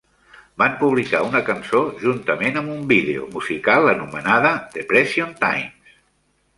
Van publicar una cançó, juntament amb un vídeo musical, anomenada "Depression Times".